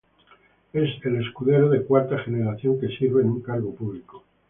Es el Escudero de cuarta generación que sirve en un cargo público.